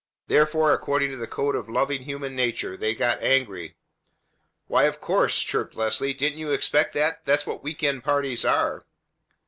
Therefore, according to the code of loving human nature, they got angry. "Why, of course!" chirped Leslie. "Didn't you expect that? That's what week end parties are!"